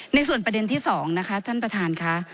ในส่วนประเด็นที่๒นะคะท่านประธานค่ะ